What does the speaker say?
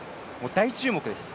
大注目です。